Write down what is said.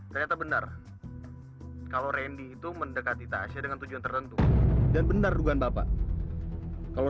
ternyata benar kalau randy itu mendekati ⁇ asha dengan tujuan tertentu dan benar dugaan bapak kalau